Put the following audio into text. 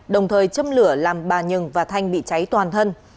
đồng thời chấm lửa làm bà nhừng và thanh bị cháy toàn thân